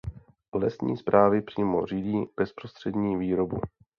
Lesní správy přímo řídí bezprostřední výrobu.